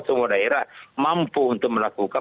semua daerah mampu untuk melakukan